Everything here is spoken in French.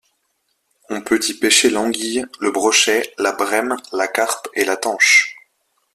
On peut y pêcher l'anguille, le brochet, la brème, la carpe et la tanche.